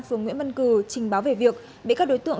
phường nguyễn văn cử trình báo về việc bị các đối tượng